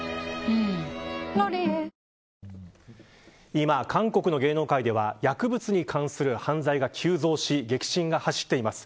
今、韓国の芸能界では薬物に関する犯罪が急増し激震が走っています。